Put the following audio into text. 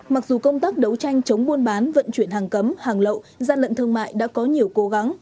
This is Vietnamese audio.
mặc dù công tác đấu tranh chống buôn bán vận chuyển hàng cấm hàng lậu gian lận thương mại đã có nhiều cố gắng